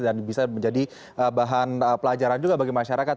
dan bisa menjadi bahan pelajaran juga bagi masyarakat